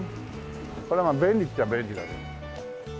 これまあ便利っちゃ便利だけど。